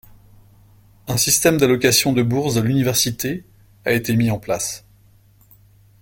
Un système d’allocations de bourses de l’Université a été mis en place.